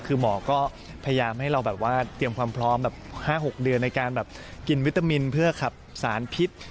คือหมอก็พยายามให้เราแบบว่าเตรียมความพร้อมแบบ๕๖เดือนในการแบบกินวิตามินเพื่อขับสารพิษ